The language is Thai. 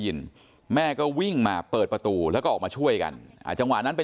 แม่ก็วิ่งมาเปิดประตูแล้วก็ออกมาช่วยกันจังหวะนั้นไป